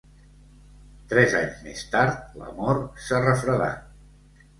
Tres anys més tard, l’amor s’ha refredat.